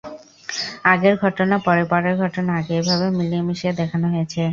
আগের ঘটনা পরে, পরের ঘটনা আগে এভাবে মিলিয়ে-মিশিয়ে দেখানো হয়েছে।